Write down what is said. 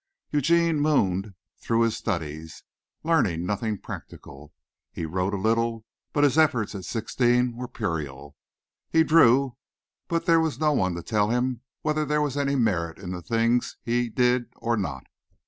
Eugene mooned through his studies, learning nothing practical. He wrote a little, but his efforts at sixteen were puerile. He drew, but there was no one to tell him whether there was any merit in the things he did or not.